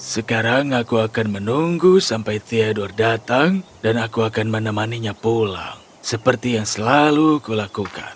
sekarang aku akan menunggu sampai theor datang dan aku akan menemaninya pulang seperti yang selalu kulakukan